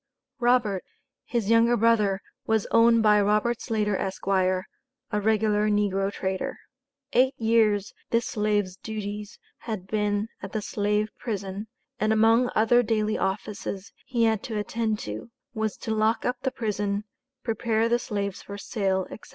Robert, his younger brother, was owned by Robert Slater, Esq., a regular negro trader. Eight years this slave's duties had been at the slave prison, and among other daily offices he had to attend to, was to lock up the prison, prepare the slaves for sale, etc.